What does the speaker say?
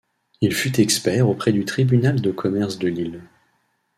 Il fut expert auprès du tribunal de commerce de Lille.